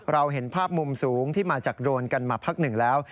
เราเห็นภาพมุมสูงที่มาจากโดรนกันมาพักหนึ่งแล้ว